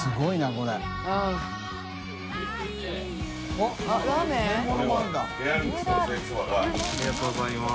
ありがとうございます。